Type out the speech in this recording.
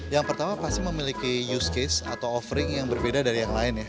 yang pertama pasti memiliki use case atau offering yang berbeda dari yang lain ya